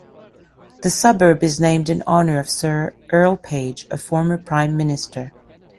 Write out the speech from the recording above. The suburb is named in honour of Sir Earle Page, a former Prime Minister.